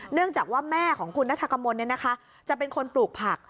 เนื่องจากว่าแม่ของคุณนัทกมลจะเป็นคนปลูกผัก